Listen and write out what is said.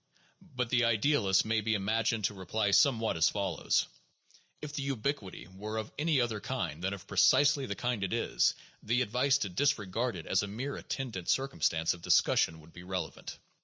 But the idealist may be imagined to reply somewhat as follows : "If the ubiquity were of any other kind than of precisely the kind it is, the advice to disregard it as a mere attendant circumstance of discussion would be relevant.